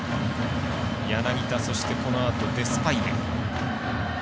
柳田、そしてこのあとデスパイネ。